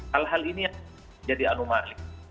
hal hal ini jadi anuman